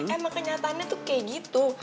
emang kenyataannya tuh kayak gitu